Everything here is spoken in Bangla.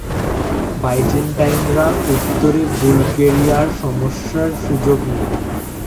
বাইজেন্টাইনরা উত্তরে বুলগেরিয়ার সমস্যার সুযোগ নেয়।